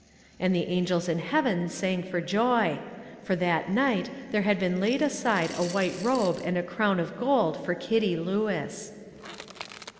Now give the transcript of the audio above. _" And the angels in heaven sang for joy; for that night there had been laid aside a white robe and a crown of gold for Kitty Lewis.